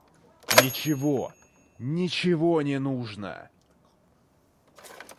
Ничего, ничего не нужно.